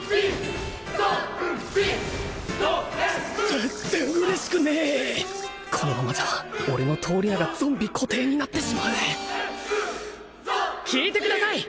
全然嬉しくねえこのままじゃ俺の通り名がゾンビ固定になってしまう聞いてください！